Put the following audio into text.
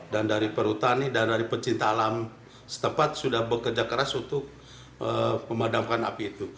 dan dari perutani dan dari pecinta alam setempat sudah bekerja keras untuk memadamkan api itu